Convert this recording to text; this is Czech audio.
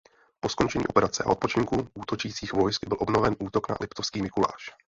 Po skončení operace a odpočinku útočících vojsk byl obnoven útok na Liptovský Mikuláš.